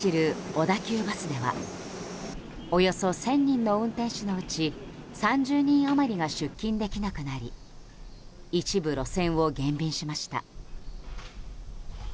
都内と神奈川県内を走る小田急バスではおよそ１０００人の運転手のうち３０人余りが出勤できなくなり一部路線を減便しました。